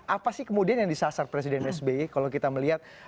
apa sih kemudian yang disasar presiden sby kalau kita melihat